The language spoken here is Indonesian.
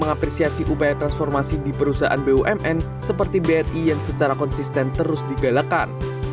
mengapresiasi upaya transformasi di perusahaan bumn seperti bri yang secara konsisten terus digalakan